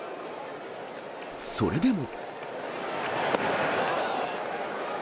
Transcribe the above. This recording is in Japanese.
それでも。